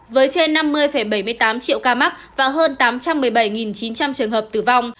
với trên năm mươi bảy mươi tám triệu ca mắc và hơn tám trăm một mươi bảy chín trăm linh trường hợp tử vong